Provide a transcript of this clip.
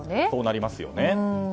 そうなりますよね。